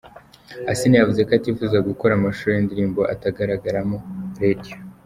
Asinah yavuze ko atifuza gukora amashusho y’indirimbo atagaragaramo Radio.